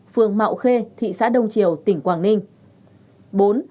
phường mạo khê thị xã đông triều tỉnh quảng ninh